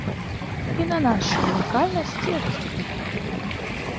І на нашую лакальнасць і экзотыку.